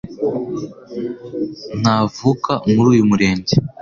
ntavuka muri uyu murenge